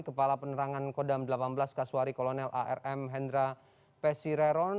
kepala penerangan kodam delapan belas kaswari kolonel arm hendra pesireron